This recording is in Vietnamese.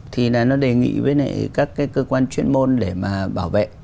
thì là nó đề nghị với các cái cơ quan chuyên môn để mà bảo vệ